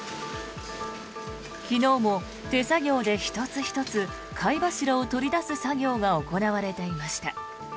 昨日も手作業で１つ１つ貝柱を取り出す作業が行われていました。